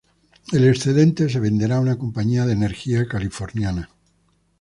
El excedente se venderá a una compañía de energía californiana.